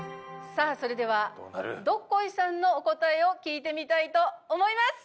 さあそれではどっこいさんのお答えを聞いてみたいと思います。